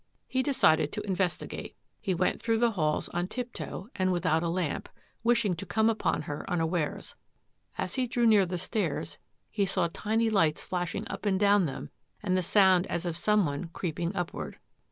He decided to investigate. He went through the halls on tiptoe and without a lamp, wishing to come upon her unawares. As he drew near the stairs he saw tiny lights flashing up and down them and the sound as of someone creeping upward.